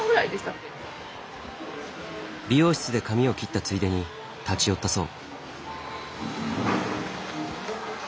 美容室で髪を切ったついでに立ち寄ったそう。